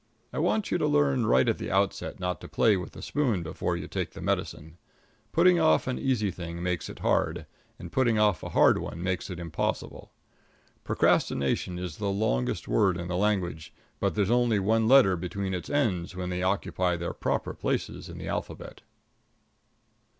I want you to learn right at the outset not to play with the spoon before you take the medicine. Putting off an easy thing makes it hard, and putting off a hard one makes it impossible. Procrastination is the longest word in the language, but there's only one letter between its ends when they occupy their proper places in the alphabet.